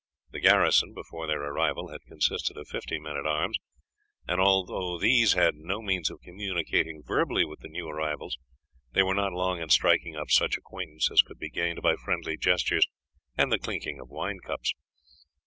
The garrison, before their arrival, had consisted of fifty men at arms, and although these had no means of communicating verbally with the new arrivals, they were not long in striking up such acquaintance as could be gained by friendly gestures and the clinking of wine cups.